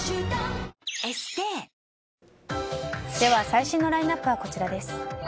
最新のラインアップはこちらです。